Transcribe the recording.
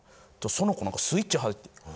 その子何かスイッチ入って。